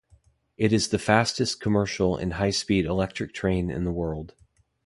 It is the fastest commercial high-speed electric train in the world.